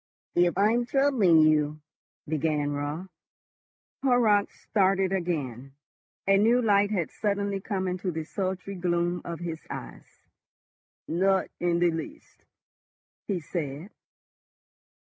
"If I am troubling you—" began Raut. Horrocks started again. A new light had suddenly come into the sultry gloom of his eyes. "Not in the least," he said.